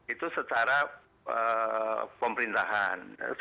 itu secara pemerintahan